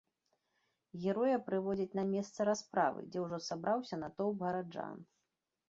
Героя прыводзяць на месца расправы, дзе ўжо сабраўся натоўп гараджан.